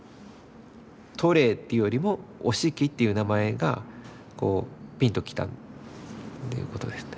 トレーというよりも折敷という名前がピンと来たっていうことですね。